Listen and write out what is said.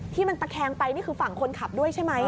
ที่มันตะแคงไปนี่คือฝั่งคนขับด้วยใช่ไหม